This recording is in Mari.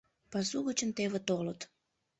Пасу гычын теве толыт